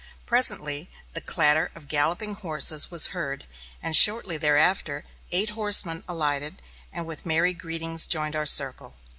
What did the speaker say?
Presently, the clatter of galloping horses was heard, and shortly thereafter eight horsemen alighted, and with merry greetings joined our circle.